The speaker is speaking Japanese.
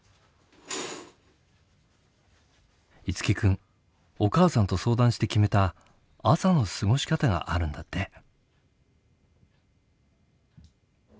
樹君お母さんと相談して決めた「朝の過ごし方」があるんだって。